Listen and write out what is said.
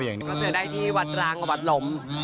ก็เจอได้ที่วัดรังกว่าวัดหลม